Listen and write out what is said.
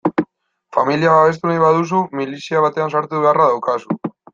Familia babestu nahi baduzu, milizia batean sartu beharra daukazu.